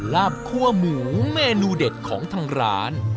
ลาบคั่วหมูเมนูเด็ดของทางร้าน